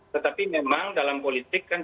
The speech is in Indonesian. tetapi memang dalam politik kan